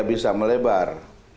dia bisa melebar